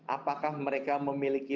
apakah mereka memiliki